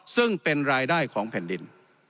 ซึ่งเป็นรายได้ของแผ่นดิน